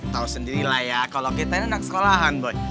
tahu sendirilah ya kalau kita ini anak sekolahan boy